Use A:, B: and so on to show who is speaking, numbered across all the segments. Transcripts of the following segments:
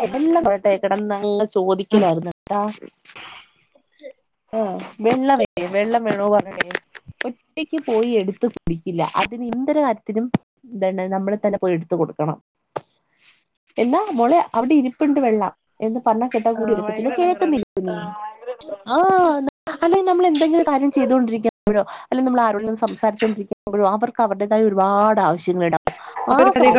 A: കെടന്ന് പോട്ടെ കെടന്ന് ഹ്മ്മ് അത് ചോദിക്കലായിര്ന്ന്ട്ടാ
B: [inaudible]
A: ആഹ് വെള്ളം [unintelligible] വെള്ളം വെള്ളവും വാങ്ങാൻ ഇണ്ടായിനി ഒറ്റയ്ക്ക് പോയി എടുത്ത് കുടിക്കില്ല അതിന് എന്തൊരു കാര്യത്തിലും എന്താണ് നമ്മള് തന്നെ പോയി എടുത്ത് കൊടുക്കണം എന്നാ മോളെ അവ്ടെ ഇരിപ്പ്ണ്ട് വെള്ളം എന്ന് പറഞ്ഞൽ കേട്ടാൽ കൂടി
B: ആഹ്
A: എടുക്കത്തില്ല
B: ഭയങ്കര
A: കേൾക്ക്ന്നി
B: എടങ്ങേറാണ്
A: [unintelligible] ആഹ് അങ്ങനെ തന്നെണ് നമ്മള് എന്തെങ്കിലും കാര്യങ്ങൾ ചെയ്തോണ്ടിരിക്കുമ്പഴോ അല്ലെങ്കി നമ്മള് ആരോടെങ്കിലും സംസാരിച്ചോണ്ടിരിക്കുമ്പഴോ അവർക്ക് അവരുടേതായ ഒരുപാട് ആവശ്യ ങ്ങള്ണ്ടാവും ആ സമ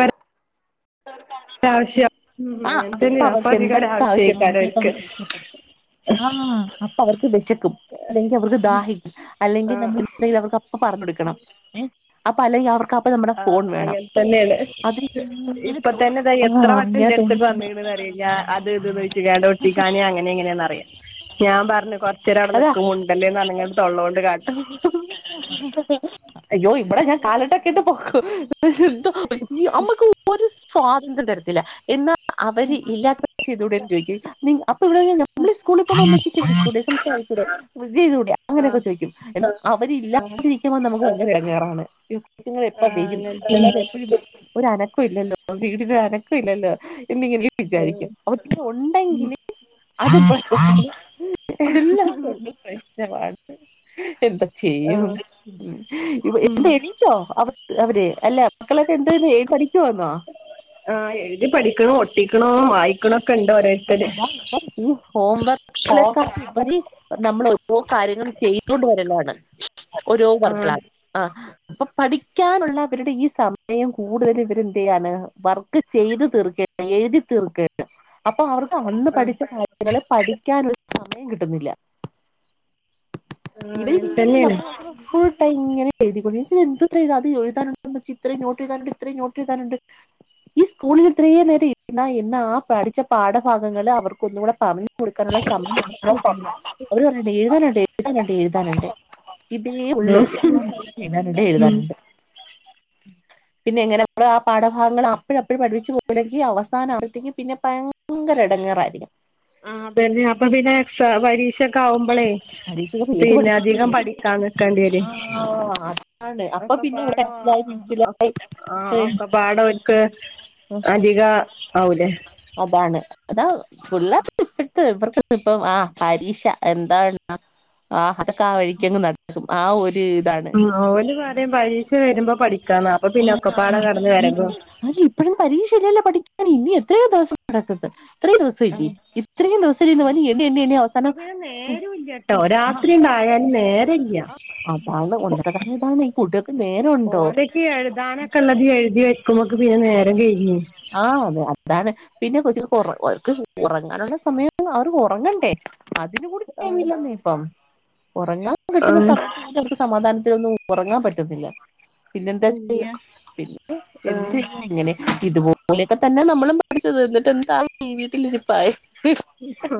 B: ഒര് ആവശ്യ ഹ്മ്മ്
A: ആ
B: അങ്ങൻ
A: അപ്പൊ
B: തന്നെയാ
A: അവർക്ക്
B: അപ്പതിക
A: എന്തൊക്കെ
B: ഒരാവശ്യേക്കാര
A: ആവശ്യങ്ങളുണ്ട് ചിലപ്പോൾ
B: ഓൽക്ക്
A: അവർക്ക് ആഹ് അപ്പ അവർക്ക് വെശക്കും അല്ലെങ്കി അവർക്ക് ദാഹിക്കും അല്ലെങ്കി നമ്മള്
B: ആഹ്
A: [unintelligible] അവർക്ക് അപ്പ പറഞ്ഞൊടുക്കണം ഏഹ് ആ പലെ അവർക്കാ
B: ആഹ് അങ്ങനെ തന്നെണ്
A: ഇങ്ങനെ
B: ഇപ്പം
A: തോ-
B: തന്നെതാ എത്ര
A: ആഹ്
B: വട്ടം
A: ഇങ്ങനെ
B: ഇന്റട്
A: തോണ്ടി
B: ത്ത്ക്ക്
A: തോണ്ടി
B: വന്ന്ക്ക്ണ്ന്ന് അറിയോ ഞാ അത് ഇത് ന്ന് ചോയ്ച്ച് കാണ്ട് ഒട്ടിക്കാനേ അങ്ങനെ ഇങ്ങനെന്നറിയാ ഞാൻ പറഞ്ഞ് കൊർച്ചെരം അവ്ടെ
A: അതാ
B: നിക്ക് മുണ്ടല്ലേന്ന് പറഞ്ഞ് കാണ്ട് തൊള്ളോണ്ട് കാട്ടും
A: [inaudible] അയ്യോ ഇവടെ ഞാൻ കാലോൻണ്ടാക്കിട്ട് പൊക്കും എന്തോ വല്യ അമ്മക്ക് ഒരു സ്വാതന്ത്ര്യം തരത്തില്ല എന്നാ അവര് ഇല്ലാത്തപ്പ ചെയ്തൂടേന്നും ചോദിക്കും നീ അപ്പം ഇവ്ടൊരു നമ്മളി സ്കൂളിൽ പോകുമ്പോ ഉമ്മച്ചിക്ക് വിളിച്ചൂടെ [unintelligible] അങ്ങനൊക്കെ
B: ആഹ്
A: ചോദിക്കും എന്നാ അവര്
B: ആഹ്
A: [unintelligible] ചോദിക്കുമ്പം നമുക്ക് അതെ ഭയങ്കര എടങ്ങേറാണ് ഇതിറ്റെങ്ങളെപ്പ
B: ആഹ്
A: വെരും
B: അങ്ങനെ തന്നെ
A: പിള്ളേര് എപ്പഴും [unintelligible] ഒരനക്കവില്ലല്ലോ വീടിനൊരനക്ക ഇല്ലല്ലോ എന്നിങ്ങനെ വിചാരിക്കാം, ഒര്ത്തൻ ഉണ്ടെങ്കില് അതും
B: ആഹ്
A: പ്രശ്നമാണ് എല്ലാം
B: ഉം
A: കൊണ്ടും പ്രശ്നമാണ് എന്തും ചെയ്യും
B: ആഹ്
A: ഉം
B: ഉം
A: ഇവിടെ എടി റ്റോ അവര് അല്ല മക്കളൊക്കെ എന്തോ ചെയ്യുന്ന പഠിക്കുവാന്നോ?
B: ആഹ് എഴുതി പഠിക്കണോ, ഒട്ടിക്കണോ, വായിക്ക്ണൊക്കെ ഇണ്ടോര്
A: അതാ ഇപ്പം ഈ ഹോംവർക്ക്കളെ
B: ഫോക്കസ്
A: കാട്ടി ഉപരി നമ്മള് ഓരോ കാര്യങ്ങൾ ചെയ്തോണ്ട് വരലാണ് ഓരോ
B: ആഹ്
A: വർക്ക്കള് ആഹ് ഇപ്പൊ പഠിക്കാനുള്ള അവരുടെ ഈ സമയം കൂടുതലും ഇവരെ എന്ത് ചെയ്യാണ് വർക്ക് ചെയ്ത് തീർക്ക എഴുതി തീർക്കേണ്ട് അപ്പൊ അവർക്ക് അന്ന്
B: ആഹ്
A: പഠിച്ച കാ ര്യങ്ങള് പഠിക്കാനൊരു സമയം കിട്ടുന്നില്ല
B: അങ്ങനെ
A: ഇതിങ്ങനെ
B: തന്നെയാണ്
A: നമ്മള് അവരെപ്പോയും കള് ഇങ്ങനെ എഴുതി കൊണ്ടിരിക്കും ഇത് എന്തൂട്ട അത് എഴുതാനുണ്ട് ഇത്രയും നോട്ട് എഴുതാനുണ്ട് ഇത്രയും നോട്ട് എഴതാനുണ്ട് ഈ സ്കൂളില് ഇത്രയും നേരം ഇരുന്ന എന്ന ആ പഠിച്ച പാഠഭാഗങ്ങള് അവർക്കൊന്നൂടെ പറ ഞ്ഞ് കൊടുക്കാനുള്ള സമയംണ്ട് അവര് പറയുന്ന എഴുതാനുണ്ട് എഴുതാനുണ്ട് എഴുതാനുണ്ട് ഇതേ ഒള്ള് എന്നും എഴുതാന്ണ്ട്
B: ഉം
A: എഴുതാറുണ്ട് പിന്നെ എങ്ങനെ നമ്മള് ആ പാഠഭാഗങ്ങൾ അപ്പഴപ്പഴ് പഠപ്പിച്ചു പോയില്ലെങ്കി അവസാനാവുമ്പത്തേക്കും പിന്നെ ഭയങ്കര എടങ്ങോറായിരിക്കും
B: ആഹ് അതന്നെ അപ്പൊ പിന്നെ എക്സാം പരീക്ഷ ഒക്കെ ആവുമ്പളേ
A: പരീക്ഷകൾ ഏത്
B: പിന്നെ
A: പഠിപ്പിക്കും
B: അധികം
A: ഏത്
B: പഠിക്കാ ക്കാൻ നിക്കണ്ടി വരുവെ
A: ആ അതാണ് അപ്പൊ പിന്നെ ഇവിടെ
B: ഒക്കപാടേ
A: മനസ്സിലായി
B: ആഹ്
A: മനസ്സിലായി
B: അത് ഒക്കപാടെ ഓൽക്ക് അധികാവൂലേ?
A: അതാണ് അതാവും ഫുള്ള ഇട്ട് ഇവർക്ക് ഇപ്പം ആഹ് പരീക്ഷ എന്താണ് എഴുത ആ അതൊ ക്കെ വഴിക്കങ്ങ് നടത്തും ആ ഒരു ഇതാണ്
B: ആഹ് ഓല് പറയ പരീക്ഷ വരുമ്പോ പഠിക്കാന്ന അപ്പൊ പിന്നെ ഒക്കപ്പാടെ കെടന്ന് വരകും
A: ഇപ്പെഴും പരീക്ഷയില്ലല്ലോ പഠിക്കാൻ ഇനി എത്രയോ ദിവസം കിടക്ക്ന്ന് ഇത്രയും ദിവസയില്ലേ
B: ആഹ്
A: ഇത്രയും ദിവസം ഇരുന്ന് എണ്ണി എണ്ണി അവസാനം
B: ട്ടോ രാത്രിയാണ്ട് ആയാല് നേരല്ല്യ
A: അതാണ് ഒന്നാമത്തെ പ്രശ്നം ഇതാണ് ഈ കുട്ടികൾക്ക് നേരവുണ്ടോ?
B: നാളത്തേക്ക് എഴുതാനൊക്കെ ഇള്ളത് എഴുതി വെക്കുമ്പോക്ക് പിന്നെ നേരം കഴിഞ്ഞ്
A: ആഹ് അതെ അതാണ് പിന്നെ കൊച്ചുങ്ങക്ക് ഒറങ്ങ ഓൽക്ക് ഒറങ്ങാനുള്ള സമയം കാണുവോ അവർ ഒറങ്ങണ്ടേ അതിനും കൂടി ടൈമില്ലന്നേ ഇപ്പം ഒറങ്ങാ കിട്ടുന്ന
B: ആഹ്
A: സമയ ത്ത് സമാധാനത്തിലൊന്ന് ഒറങ്ങാൻ പറ്റുന്നില്ല പിന്നെന്താ
B: ഇല്ല
A: ചെയ്യാ പിന്നെ എന്ത്
B: ആഹ്
A: ഇങ്ങനെ ഇതുപോ ലൊക്കെ തന്നെയ നമ്മളും പഠിച്ചത് എന്നിട്ട് എന്തായി വീട്ടിലിരിപ്പായി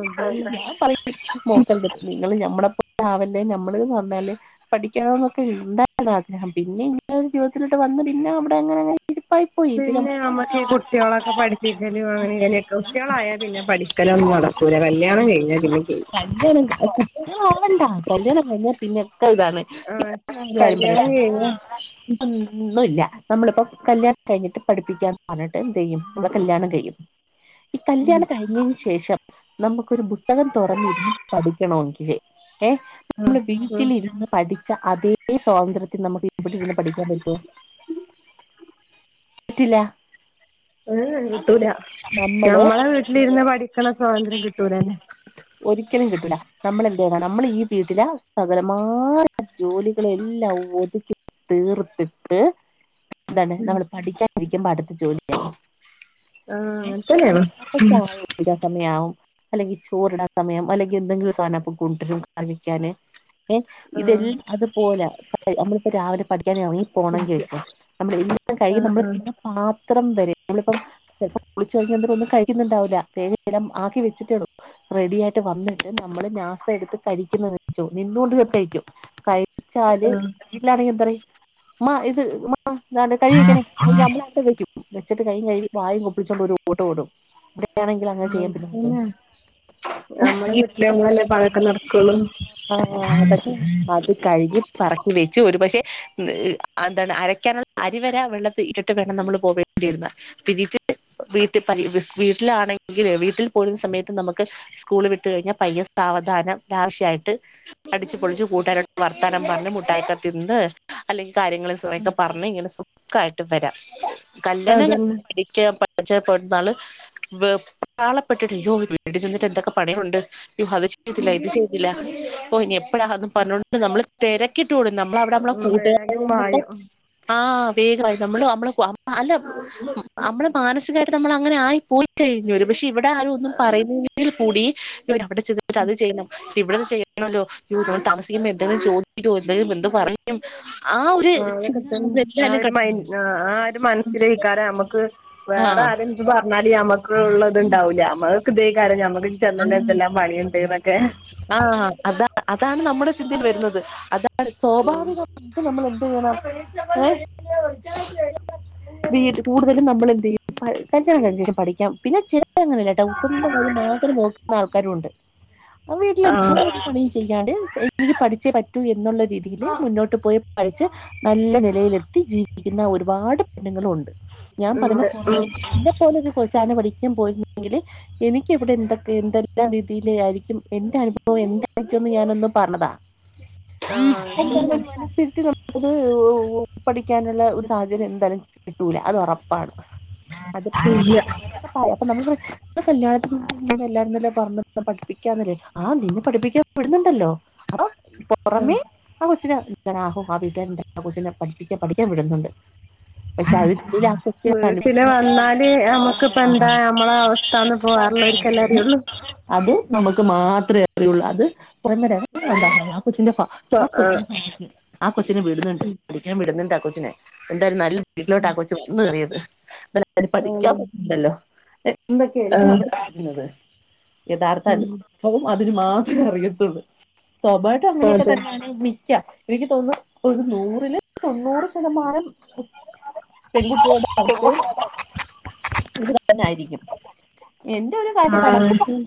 B: അതന്നെ
A: അതെ ഞാൻ പറിയും നോക്ക് മക്കളെ നിങ്ങള് നമ്മളെ പോലെ ആവല്ലേ നമ്മളേ നന്നാല്ല് പഠിക്കണംന്നൊക്കെ ഉണ്ടായിര്ന്ന് ആഗ്രഹം പിന്നെ ഇങ്ങനെ ഒരു ജീവിതത്തിലോട്ട് വന്ന് പിന്നെ അവിടെ അങ്ങനെങ്ങന്നെ ഇരിപ്പായി പോയി ഇപ്പോ ' [unintelligible]
B: നമുക്ക് ഈ കുട്ടിയോളക്കെ പഠിപ്പിക്കലും അങ്ങനിം ഇങ്ങനെക്കെ കുട്ടികളായ പിന്നെ പഠിക്കലൊന്നും നടക്കൂല കല്യാണം കഴിഞ്ഞാ പിന്നെ കഴിഞ്ഞ്
A: [unintelligible] കുഞ്ഞുങ്ങള് ആവണ്ടാ കല്യാണം കഴിഞ്ഞ പിന്നെ ഒക്കെയിതാണ് ഞാൻ
B: ആഹ്
A: ഒരു കാര്യം
B: കല്യാണം
A: പറയട്ടെ
B: കഴിഞ്ഞാ
A: ഇപ്പൊ ഒന്നുവില്ല നമ്മളിപ്പം കല്യാണം കഴിഞ്ഞിട്ട് പഠിപ്പിക്കാന്ന് പറ പറഞ്ഞിട്ട് എന്തെയ്യും നമ്മടെ കല്യാണം കഴിയും ഈ കല്യാണം കഴിഞ്ഞേന് ശേ ശേഷം നമുക്കൊരു പുസ്തകം തൊറന്നിരിന്ന് പഠിക്കണോങ്കില് ഏഹ്
B: ആഹ്
A: നമ്മള്
B: ഉം
A: വീട്ടിലിരുന്ന് പഠിച്ച അതേ സ്വാതന്ത്ര്യത്തിൽ നമുക്ക് ഇവിടെ ഇരുന്ന് പഠിക്കാൻ പറ്റോ പറ്റില്ല
B: ഏഹ് കിട്ടൂല
A: നമ്മള്
B: ഞമ്മളെ വീട്ടിലിരുന്ന് പഠിക്കണ സ്വാതന്ത്ര്യം കിട്ടൂലല്ലെ
A: ഒരിക്കലും കിട്ടൂല നമ്മൾ എന്തേയ്യണ നമ്മൾ ഈ വീട്ടില സകലമായ ജോലി കള് എല്ലാം ഒതുക്കി തീർത്തിട്ട് എന്താണ്
B: ഉം
A: നമ്മള് പഠിക്കാൻ ഇരികുമ്പൊ അടുത്ത ജോലി ആയി
B: ആഹ്
A: ഏഹ് ഏഹ്
B: അങ്ങൻതന്നെയാണ്
A: അപ്പചായ കുടിക്കാൻ സമയാവും അല്ലെങ്കി ചോറിട സമയം അല്ലെങ്കിൽ എന്തെങ്കിലും സാധനപ്പ കൊണ്ടരും കഴിക്കാന് ഏഹ് ഇതെൽ
B: ആഹ്
A: അതുപോലെ നമ്മളിപ്പോ രാവിലെ പഠിക്കാൻ ഇറങ്ങി പോണെങ്കി
B: ഇല്ല
A: വെച്ചാ നമ്മള് എല്ലം കഴിയും
B: ആഹ്
A: നമ്മള് തിന്ന പാത്രം വരെ നമ്മളിപ്പം ചെൽപ്പം കുളിച്ച് ഒരുങ്ങി എന്തെങ്കു ഒന്ന് കഴിക്ക്ന്ന്ണ്ടാവൂല [unintelligible] ആക്കി വെച്ചിട്ടേ ഉള്ളൂ റെഡി ആയി ട്ട് വന്നിട്ട് നമ്മള് നാസ്ത എടുത്ത് കഴിക്കുന്നത്വെച്ചോ നിന്നോണ്ട് [unintelligible] കഴിക്കും. കഴി ചാല്
B: ആഹ്
A: വീട്ടിലാണെങ്കി എന്തറയും ഉമ്മാ ഇത് ഉമ്മാ മ്മാ ഇതാണ്ട് കഴുകി വെക്കണേ
B: ആഹ്
A: [unintelligible] വെച്ചിട്ട് കയ്യും കഴുകി വായും കുപ്ലിച്ചോണ്ട് ഒരു ഓട്ടോടും. ഇവ്ടെ ആണെങ്കിൽ അങ്ങനെ
B: ആഹ്
A: ചെയ്യാൻ പറ്റുമോ നമുക്ക്
B: ഇവിടെ ആവുമ്പോളല്ലേ ഇപ്പതൊക്കെ നടക്കൂള്ളൂ
A: ആഹ് അതക്കെയാണ്. അത് കഴിഞ്ഞ് പറക്കി വെച്ചു ഒരു പക്ഷെ ആന്താണ് അരക്കാനുള്ള അരിവരെ വെള്ളത്തി ഇട്ടിട്ട് വേണം നമ്മള് പോവേ ണ്ടി ഇരുന്നെ തിരിച്ച് വീട്ടിപ്പനി വിസ് വീട്ടിലാണെങ്കില് വീട്ടിൽ പോരുന്ന സമയത്ത് നമുക്ക് സ്കൂള് വിട്ട് കഴിഞ്ഞാ പയ്യെ സാവധാനം ലാവിഷായിട്ട് അടിച്ച്പൊളിച്ച് കൂട്ടുകാരോട് വർത്തനം പറഞ്ഞ് മുട്ടായിയൊക്കെ തിന്ന് അല്ലെങ്കി കാര്യങ്ങളിൽസൊറയൊക്കെ പറഞ്ഞ് ഇങ്ങനെ സു ഖായിട്ട് വരാം. കല്യാണം [unintelligible]
B: അതന്നെ
A: പഠിക്ക പഠിച്ചപ്പെടുന്നാള് വെപ്രാളപ്പെട്ടിട്ട് അയ്യോ വീട്ട്ചെന്നിട്ട് എന്തൊക്കെ പണിയുണ്ട് അയ്യൊ അത് ചെയ്തില്ല ഇത് ചെയ്തില്ല ഓ ഇഞ്ഞ് എപ്പഴാ അതും പറഞ്ഞോ ണ്ട് നമ്മള് തിരക്കിട്ടോടും നമ്മളവിട നമ്മള
B: ഉം വേഗം
A: കൂട്ടുകാരിയോടപ്പം
B: പായും
A: ആഹ് വേഗമായി നമ്മള് നമ്മളപ്പൊ അല്ല അമ്മള് മാനസികമായിട്ട് നമ്മള് അങ്ങനെ ആയി പോയി കഴിഞ്ഞൊരുപക്ഷെ ഇവിടെ ആരും ഒന്നും പറയുന്നില്ലെങ്കിൽ കൂടി അവിടെ ചെന്നിട്ട് അത് ചെയ്യണം ഇവിടെന്ന് ചെയ്യണമല്ലോ? അയ്യോ ഞാൻ താമസിക്ക്മ്പൊ എന്തെങ്കിലും ചോദിക്കോ എന്തേലും എന്ത് പറയും ആ ഒരു
B: ആഹ് അതൊക്കെത്തൻ
A: ചിന്ത
B: ആ
A: എല്ലാരും
B: ഒരു
A: കടന്നു
B: മൈൻ
A: വരും
B: ആഹ് ആ ഒരു മനസ്സിലേക്കാരം അമ്മക്ക്
A: ആ
B: വേറെ ആരും ഇത് പറഞ്ഞാല് ഞമ്മക്ക ഉള്ളത്ണ്ടാവൂല്ല നമ്മക്ക് ഇതേകാരം ഞമ്മക് വീട്ട് ചെന്നല്ല
A: ആ
B: എന്തെല്ലാം പണിയുണ്ട്ന്നൊക്കെ
A: ആഹ് അത അതാണ് നമ്മുടെ ചിന്തയിൽ വരുന്നത് അതാണ് സ്വാഭാവികം അപ്പം നമ്മള് എന്ത്ചെയ്യണം ഏഹ് വീട് കൂടുതലും നമ്മളെന്ത്‌യ്യും പ കല്യാണം കഴിഞ്ഞ ശേഷം പഠിക്കാം പിന്നെ ചില ഇപ്പഴങ്ങാനല്ല ട്ടോ സ്വന്തം കാര്യം മാത്രം നോക്കുന്ന ആൾക്കാരും ഉണ്ട് ആ വീട്ടിലെന്താ
B: ആഹ്
A: [unintelligible] പണി ചെയ്യാണ്ട് എനിക്ക് പഠിച്ചേ പറ്റൂ എന്നുള്ള രീതിയില് മുന്നോട്ട് പോയി പഠിച്ച്. നല്ല നിലയിലെത്തി ജീവിക്കുന്ന ഒരുപാട് പെണ്ണുങ്ങളും ഉണ്ട്. ഞാൻ പറഞ്ഞ
B: ഉണ്ട്
A: [unintelligible]
B: ഉം
A: എന്നെ പോലോരു കൊച്ചാണ് പഠിക്കാൻ പോയിരുന്നെങ്കില് എനിക്ക് ഇവിടെ എന്തൊക് എന്തെല്ലാം രീതിയില് ആയിരിക്കും എന്റെ അനുഭവം എന്തായിരിക്കുംന്ന് ഞാനൊന്ന് പറഞ്ഞതാ.
B: ആഹ് അതന്നെ
A: [unintelligible] മനസ്സിരുത്തി സം അത് പഠിക്കാനുള്ള ഒരു സാഹചര്യം എന്താലും കിട്ടൂല അത് ഉറപ്പാണ്.
B: ഇല്ല.
A: പപ്പായ അപ്പം നമ്മള് കല്യാണത് എല്ലാരും തന്നെ പഞ്ഞെ പഠിപ്പിക്കാന്നില്ലേ ആ നീ പഠിപ്പിക്കാൻ വിടുന്നുണ്ടല്ലോ ആ
B: ആഹ്
A: പൊറമെ ആ കൊച്ചിനെ ഞൻാ [unintelligible] കും ആ വീട്ടുകാരു ആ കൊച്ചിനെ പഠിക്കൻ പഠിക്കാൻ വിടുന്നുണ്ട്. പക്ഷെ അതിനുള്ളിൽ ആ കൊച്ചിനെ
B: വീട്ടില് വന്നാല് നമ്മക്കിപ്പോ
A: ആ,
B: എന്താ നമ്മളെ അവസ്ഥന്ന് ഇപ്പൊ വേറെ ഉള്ളവർക്ക് അല്ലേ - എവിടുന്നാ
A: അത് നമുക്ക് മാത്രമേ അറിയുള്ളൂ അത് - കുറമര
B: ആഹ്
A: കൊച്ചിന്റെ ആ കൊച്ചി.
B: ആഹ്
A: [unintelligible] ആ കൊച്ചിനെ വിടുന്നുണ്ട് പഠിക്കാൻ വിടുന്നുണ്ട് ആ കൊച്ചിനെ എന്തായാലും നല്ല- വീട്ടിലോട്ടാ ആ കൊച്ച് വന്ന് കെറിയത് എന്തോയായാലും അതിന്
B: ആഹ്
A: പഠിക്കാൻ പറ്റുന്നുണ്ടല്ലോ. എന്തൊക്കെയായിരിക്കും
B: ആഹ്
A: അവിടെ പറുന്നത് യഥാർത്ഥ
B: ഉം
A: അനുഭവം അപ്പ അതിന് മാത്രേ അറിയത്തുള്ളൂ സ്വാഭാവട്ടം അങ്ങനെയൊക്കെ
B: അതെ
A: തന്നെയാണ്. എനിക്ക് തോനുന്നു ഒരു നൂറില് തൊണ്ണൂറ് ശതമാനം [unintelligible] പെൺകുട്ടിയുടെ അത്ത് വിനായിരി [unintelligible] ക്കും. അവരുടെ കാഴ്ചപ്പാട്
B: ആഹ്
A: അങ്ങനെ ആണ്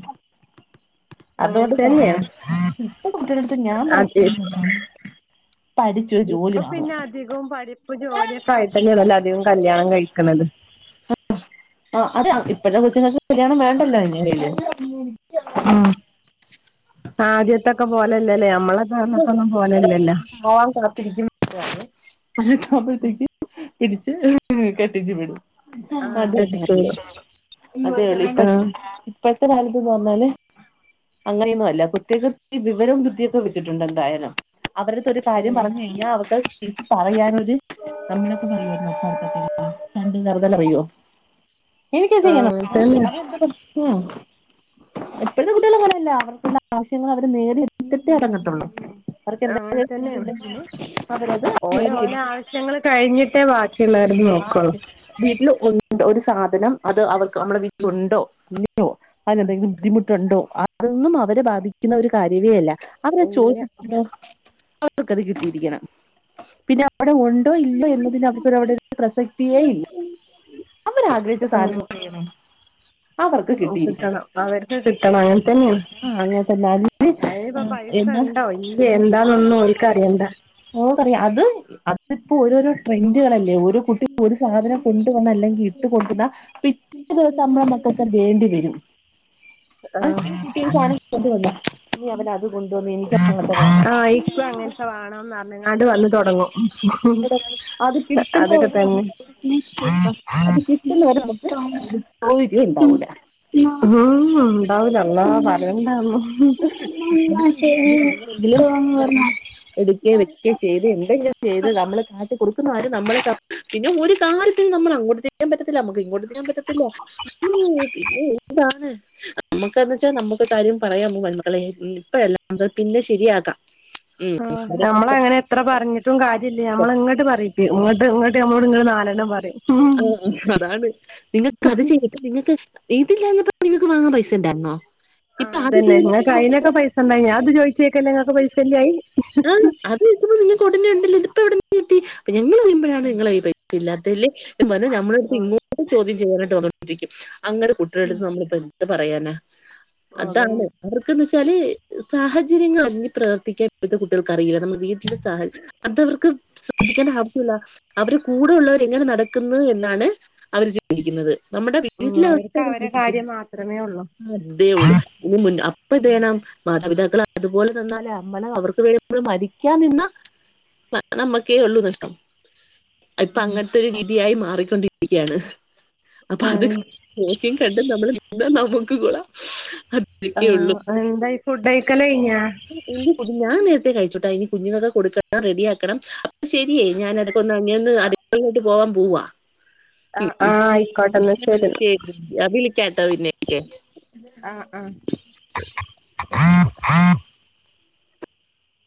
B: അങ്ങനെ
A: അതോണ്ട്
B: തന്നെയാ
A: ഇപ്പ കുട്ടികളത്ത് ഞാൻ പറ
B: അത് ഇപ്പൊ
A: വാങ്ങുക
B: പിന്നെ അധികവും പഠിപ്പ് ജോലിയൊക്കെ ആയിട്ട് തന്നെയാണല്ലോ അധികം കല്യാണം കഴിക്കണത്.
A: ആഹ് അത ഇപ്പോഴത്തെ കൊച്ചുങ്ങൾക്ക് കല്യാണം വേണ്ടല്ലോ ഇ [unintelligible] ക
B: ആഹ് ആദ്യത്തൊക്കെ പോലല്ലല്ലേ നമ്മളെ കാലത്തൊന്നും പോലല്ലല്ലോ.
A: പോവാൻ കാത്തിരിക്കും [unintelligible] പ്പോഴത്തേക്ക് പിടിച്ച് കെട്ടിച്ചു വിടും
B: ആഹ്
A: അതന്ന
B: കെട്ടിച്ചു
A: അതി
B: വിടും
A: [unintelligible]
B: ആഹ്
A: ഇപ്പോഴത്തെ കാലത്ത്ന്ന് പറഞ്ഞാല് അങ്ങനെയൊന്നും അല്ല കുട്ടികൾക്ക് ഇത്തിരി വിവരവും ബുദ്ധി ഒക്കെ വരും ഇത് ഇട്ടോണ്ട് എന്തായാലും അവരുത്തെ ഒരു കാര്യം പറഞ്ഞു കഴിഞ്ഞാൽ അവർക്ക് അത് തീരിച്ച പറയാനൊരു നമ്മളൊക്കെ പറയുവായിരുന്നോ പണ്ട് അങ്ങനെ പണ്ട് തറുതല പറവോ എനിക്ക്‌ ഇത്
B: ആഹ്
A: ചെയ്യണം
B: അങ്ങനെ
A: അതാ
B: തന്നെ
A: ഇപ്പഴും- ഓ ഇപ്പഴത്തെ കുട്ടികൾ അങ്ങനെ അല്ല അവർക്കുള്ള ആവശ്യങ്ങൾ അവര് നേടിയെടുത്തിട്ടെ അടങ്ങത്തോ - ആഹ്
B: ആ വെളിച്ചെണ്ണയൊ
A: അവരത്
B: ഓലോ ഓലോ
A: നേടിയെടുക്കും
B: ആവശ്യങ്ങൾ കഴിഞ്ഞിട്ടേ ബാക്കി - എല്ലാരും
A: ആ
B: നോക്ക്‌ക
A: വീട്ടിൽ ഉ ഒരു സാധനം അത് അവർക്ക് നമ്മുടെ വീട്ടിലുണ്ടോ ഇല്ലിയോ അതിനെന്തെങ്കിലും- ബുദ്ധിമുട്ട. ണ്ടോ അതൊന്നും അവരെ ബാധിക്കുന്ന ഒരു കാര്യവേ അല്ല അവര് അത്
B: ഇല്ല
A: ചോദിച്ച. അവർക്കത് കിട്ടിയിരിക്കണം പിന്നെ അവിടെ ഉണ്ടോ ഇല്ലോ എന്നതിന അവർക്കവിടെ. പ്രസക്തിയേ ഇല്ല അവർ ആഗ്രഹിച്ച സാധനം എന്ത് ചെയ്യണം.
B: ഒപ്പിക്കണം അവർക്ക് കിട്ടണം അനത്തെ -
A: [unintelligible] അങ്ങനെതന്നെ.
B: അയിന് പൈസ ഇണ്ടോ ഇല്ലിയോ എന്താന്നൊന്നും ഓലക്ക് അറിയണ്ട.
A: മോൾക്ക്‌ അറിയാം അതും അതിപ്പോ ഓരോരോ ട്രെൻഡുകളല്ലേ ഓരോ കുട്ടി ഒരു സാധനം കൊണ്ടുവന്ന് അല്ലെങ്കിൽ ഇട്ട് കൊണ്ടുവന്നാ ആ പിറ്റേ ദിവസം നമ്മടെ മക്കക്ക്‌ വേണ്ടി വരും. ആ ഈ കുട്ടി ഒരു സാധനം കൊണ്ടുവന്ന ഇനി അവൻ അത് കൊണ്ടുവന്ന് എനിക്ക് അങ്ങനത്തെ വേണം
B: ആഹ് ഇക്കും അങ്ങനെ - വേണോന്ന് അറിഞ്ഞങ്ങാണ്ട് വന്ന് തൊടങ്ങും
A: ഇവിടെ അത്
B: അതൊക്കെ-
A: കിട്ടുന്നവരെ
B: തന്നെ
A: അത് കിട്ടുന്നവരെ നമുക്ക് ഒരു സ്വയിരം ഉണ്ടാവൂല.
B: ആഹ് ഉണ്ടാവൂല ഞങ്ങള് അതാ പറഞ്ഞെ എന്നാ
A: നമ്മള്
B: ശരി തോന്ന [unintelligible] ന്ന് പറഞ്ഞോ.
A: എടുക്കെ വെക്കുവേ ചെയ്ത് എന്തും ഞാൻ ചെയ്ത താ നമ്മള് കാ കൊടുക്കുന്ന ആരും നമ്മള് പിന്നെ ഒരു കാര്യത്തിൽ നമ്മൾ അങ്ങോട്ട് തിരിയാൻ പറ്റത്തില്ല നമ്മക്ക് ഇങ്ങോട്ട് തിരിയാൻ പറ്റത്തില്ല [unintelligible] നമുക്കന്ന് അത് എന്ന് വെച്ചാൽ നമുക്ക് തരും പറയാമോ വ [unintelligible] ൻ മകളെ ഉം ഇപ്പഴെല്ല അത്‌ പിന്നെ ശരിയാക്കാം ഉം,
B: ആഹ്
A: അതൊക്കെ
B: നമ്മളെ അങ്ങനെ എത്ര പറഞ്ഞിട്ടും കാര്യല്ല
A: പറ്റാ.
B: ഞമ്മള ഇങ്ങോട്ട് പറയും ഇങ്ങട്ട് ഇങ്ങട്ട് ഞമ്മളോട് ഇങ്ങള് നാലെണ്ണം പറയും ഉം
A: ആഹ് അതാണ് നിനക്ക് അത് ചെ നിങ്ങക്ക് ഇതില്ലാഞ്ഞിട്ട് നിങ്ങക്ക് വാങ്ങാൻ പൈസ ഉണ്ടായിരുന്നോ ഇപ്പൊ
B: ആഹ്
A: അത്
B: അതെന്നെ അയിനൊക്കെ പൈസണ്ടായി ഞാൻ അത് ചോയിച്ചേക്കല്ലേ നിങ്ങൾക്ക് പൈസ ഇല്ലായി
A: അത്ടനെ [unintelligible] ഇത് പ്പൊ എവട്ന്ന് കിട്ടി ഇപ്പഴാണ് നിങ്ങള ഈ പൈസ ഇല്ലാത്തല്ലേ പറഞ്ഞ നമ്മളടുത്ത്
B: ആ
A: ഇങ്ങോട്ട ചോദ്യം ചെയ്യാനായിട്ട് വന്നോണ്ടിരിക്കും അങ്ങത്തെ കുട്ടിയാളട്ത്ത് നമ്മളിപ്പൊ എന്ത് പറയാനാ അതാണ്
B: അതന്നെ
A: അവർക്കന്ത് വെച്ചാല് സാഹചര്യങ്ങളറിഞ്ഞ് പ്രവർത്തിക്കാ ഇപ്പത്തെ കുട്ടിയാൾക്ക് അറിയില്ല നമ്മുടെ വീട്ട്‌ലെ സാഹച അത് അവർക്ക് ശ്രദ്ധിക്കേണ്ട ആവശ്യല്ലാ അവരെ കൂടെ ഉള്ളവർ എങ്ങനെ നടക്കുന്നു എന്നാണ് അവര് ചിന്തിക്കുന്നത് നമ്മുടെ
B: ഉം
A: വീട്ടിലെ
B: അവർക്ക്
A: അവസ്ഥയെ
B: അവരെ
A: സൃഷ്ടിക്കും
B: കാര്യം മാത്രമേ ഉള്ളൂ
A: അതേ ഉള്ളു ഇനി അപ്പൊ ന്തേയണം മാതാപിതാക്കൾ അതുപോലെ തന്നാലാ മ്മളെ അവർക്ക് വേണ്ടി മരിക്കാൻ നിന്നി നമ്മക്കേ ഉള്ളൂ നഷ്ടം ഇപ്പൊ
B: ആണ്
A: അങ്ങൻത്തെ ഒരു രീതിയായി മാറിക്കൊണ്ടിരിക്കയാണ് അപ്പൊ അത് നോക്കിം കണ്ടും നമ്മള് നിന്ന നമുക്ക് കൊളാം
B: ആഹ് എന്തായ് ഫുഡഴ്ക്കല് കഴ്ഞ്ഞോ
A: ഇനി ഫുഡ് ഞാൻ നേരത്തെ കഴിച്ചുട്ടോ ഇനി കുഞ്ഞ്ങ്ങൾക്ക് കൊടുക്കണം റെഡിയാക്കണം അപ്പൊ ശരിയേ ഞാന അത ഒന്ന് അങ്ങനെ അട്ക്കളയിലോട്ട് പോവാൻ പോവാ
B: ആഹ്
A: ഉം
B: ആഹ് ആയിക്കോട്ടെ എന്നാ
A: ഉം ശരി ഞാൻ വിളിക്കാട്ടോ പിന്നെക്ക്
B: ആഹ് ആഹ്